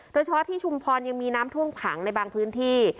โดยเฉพาะที่ชุมพรยังมีน้ำท่วมขังในบางพื้นที่